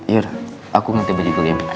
yaudah aku nanti berdiri